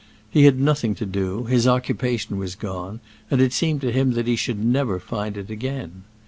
He had nothing to do, his occupation was gone, and it seemed to him that he should never find it again.